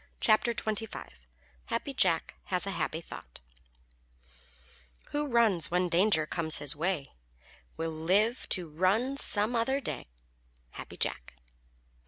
CHAPTER XXV HAPPY JACK HAS A HAPPY THOUGHT Who runs when danger comes his way Will live to run some other day. _Happy Jack.